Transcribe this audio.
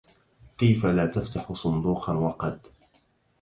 كيف لا تفتح صندوقا وقد